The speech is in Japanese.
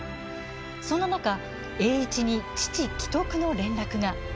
そんな中栄一に父、危篤の連絡が。